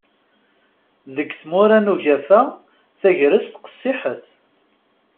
Deg tmura n ugafa, tagrest qessiḥet.